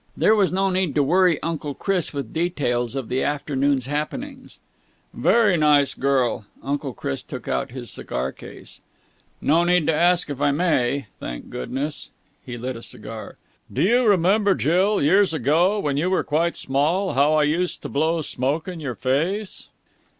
There was no need to worry Uncle Chris with details of the afternoon's happenings. "Very nice girl." Uncle Chris took out his cigar case. "No need to ask if I may, thank goodness." He lit a cigar. "Do you remember, Jill, years ago, when you were quite small, how I used to blow smoke in your face?"